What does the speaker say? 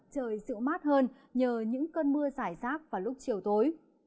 trời dịu mát hơn nhờ những cơn mưa giải rác vào lúc chiều tối